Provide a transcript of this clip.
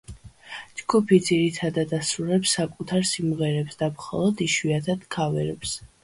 ჯგუფი ძირითადად ასრულებს საკუთარ სიმღერებს და მხოლოდ იშვიათად „ქავერებს“.